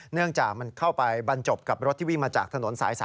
เนื่องจากมันเข้าไปบรรจบกับรถที่วิ่งมาจากถนนสาย๓